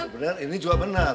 bener ini juga bener